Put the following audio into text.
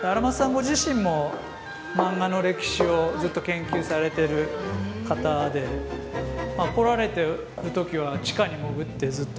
ご自身もマンガの歴史をずっと研究されてる方で来られてる時は地下に潜ってずっとマンガを。